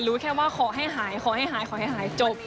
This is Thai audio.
รู้แค่ว่าขอให้หายขอให้หายขอให้หายจบ